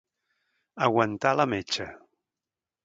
Aguantar la metxa.